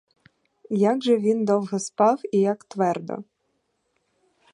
Як же він довго спав і як твердо!